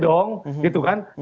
oh kalau gitu boleh dong